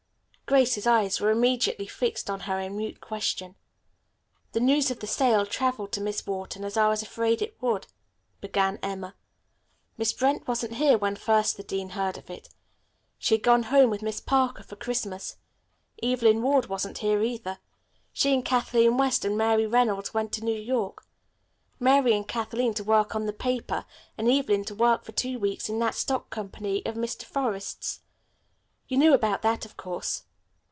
Grace's eyes were immediately fixed on her in mute question. "The news of the sale traveled to Miss Wharton, as I was afraid it would," began Emma. "Miss Brent wasn't here when first the dean heard of it. She had gone home with Miss Parker for Christmas. Evelyn Ward wasn't here, either. She and Kathleen West and Mary Reynolds went to New York. Mary and Kathleen to work on the paper, and Evelyn to work for two weeks in that stock company of Mr. Forrest's. You knew about that, of course.